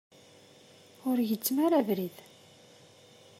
Ur gezzem ara abrid.